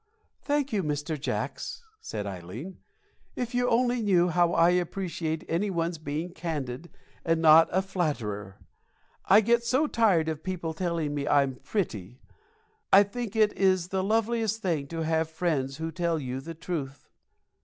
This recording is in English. "Thank you, Mr. Jacks," said Ileen. "If you only knew how I appreciate any one's being candid and not a flatterer! I get so tired of people telling me I'm pretty. I think it is the loveliest thing to have friends who tell you the truth."